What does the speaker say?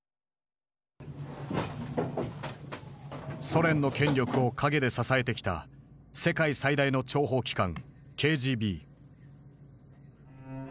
ソ連の権力を陰で支えてきた世界最大の諜報機関ＫＧＢ。